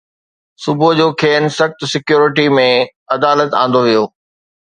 صبح جو کين سخت سيڪيورٽي ۾ عدالت آندو ويو